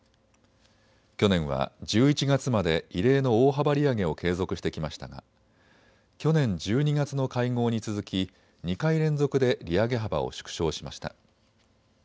去年は１１月まで異例の大幅利上げを継続してきましたが去年１２月の会合に続き２回連続で利上げ幅を縮小しました。